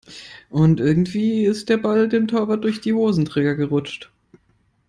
Und irgendwie ist der Ball dem Torwart durch die Hosenträger gerutscht.